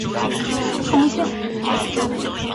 现属重庆市。